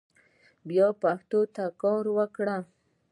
باید پښتو ته کار وکړو